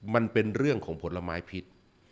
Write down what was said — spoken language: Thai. มันเป็นเรื่องของผลไม้พิษ